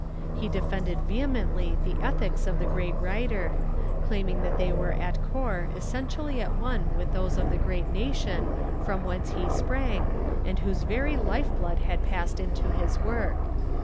He defended vehemently the ethics of the great writer, claiming they were at core essentially at one with those of the great nation from whence he sprang and whose very life blood had passed into his work.